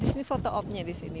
ini foto opnya di sini